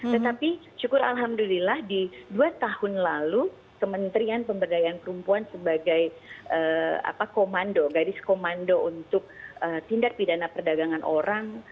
tetapi syukur alhamdulillah di dua tahun lalu kementerian pemberdayaan perempuan sebagai komando gadis komando untuk tindak pidana perdagangan orang